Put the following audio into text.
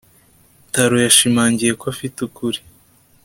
Taro yashimangiye ko afite ukuri